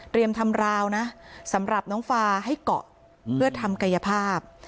ทำราวนะสำหรับน้องฟาให้เกาะเพื่อทำกายภาพ